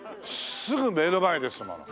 すぐ目の前ですもの。